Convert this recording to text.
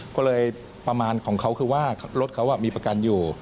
ก็เลยประมาณของเขาคือว่ารถเขามีประกันอยู่